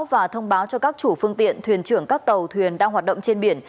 và thông báo cho các chủ phương tiện thuyền trưởng các tàu thuyền đang hoạt động trên biển